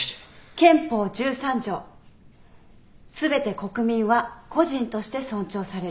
憲法１３条すべて国民は個人として尊重される。